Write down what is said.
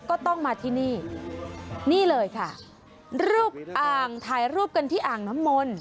ก็ต้องมาที่นี่นี่เลยค่ะรูปอ่างถ่ายรูปกันที่อ่างน้ำมนต์